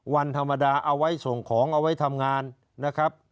วันธรรมดาเอาไว้ส่งของเอาไว้ทำงานนะครับ